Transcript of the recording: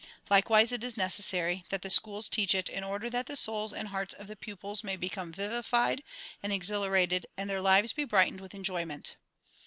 Likewise it is necessary that the schools teach it in order that the souls and hearts of the pupils may be come vivified and exhilarated and their lives be brightened with enjoyment.